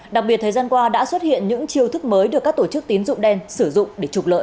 đặc biệt thời gian qua đã xuất hiện những chiêu thức mới được các tổ chức tín dụng đen sử dụng để trục lợi